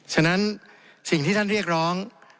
ฉะนั้นสิ่งที่ท่านเรียกร้อง